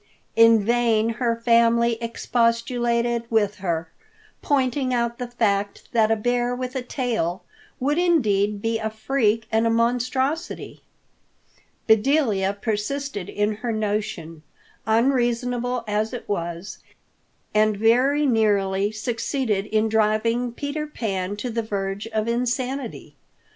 In vain her family expostulated with her, pointing out the fact that a bear with a tail would indeed be a freak and a monstrosity. Bedelia persisted in her notion, unreasonable as it was, and very nearly succeeded in driving Peter Pan to the verge of insanity.